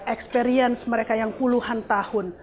experience mereka yang puluhan tahun